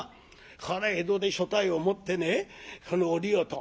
これ江戸で所帯を持ってねそのおりよと。